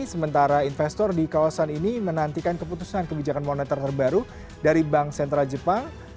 sementara investor di kawasan ini menantikan keputusan kebijakan moneter terbaru dari bank sentral jepang